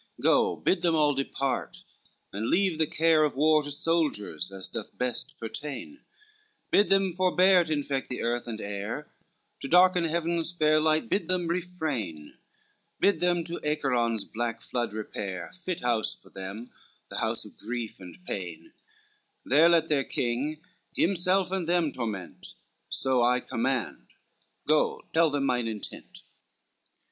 LIX "Go bid them all depart, and leave the care Of war to soldiers, as doth best pertain: Bid them forbear to infect the earth and air; To darken heaven's fair light, bid them refrain; Bid them to Acheron's black flood repair, Fit house for them, the house of grief and pain: There let their king himself and them torment, So I command, go tell them mine intent."